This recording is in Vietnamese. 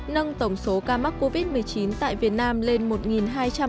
nâng tổng số ca mắc covid một mươi chín tại việt nam lên một hai trăm linh ca